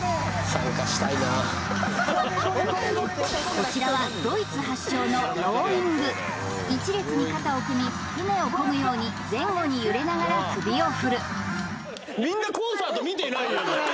こちらはドイツ発祥のローイング一列に肩を組み舟をこぐように前後に揺れながら首を振る見ろよ